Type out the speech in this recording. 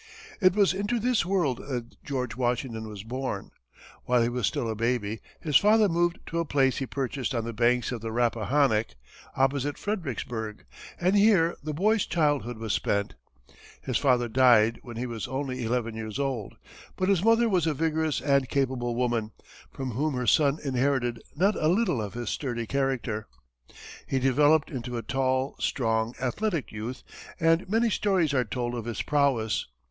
It was into this world that George Washington was born. While he was still a baby, his father moved to a place he purchased on the banks of the Rappahannock, opposite Fredericksburg, and here the boy's childhood was spent. His father died when he was only eleven years old, but his mother was a vigorous and capable woman, from whom her son inherited not a little of his sturdy character. He developed into a tall, strong, athletic youth, and many stories are told of his prowess.